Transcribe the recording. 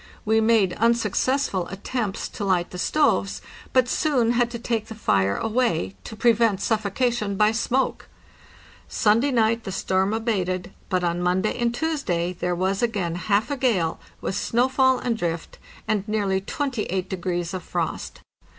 We made unsuccessful attempts to light the stoves, but soon had to take the fire away, to prevent suffocation by smoke. Sunday night the storm abated, but on Monday and Tuesday there was again half a gale, with snowfall and drift, and nearly 28 degrees of frost.